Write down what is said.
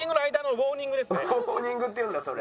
ウォーニングっていうんだそれ。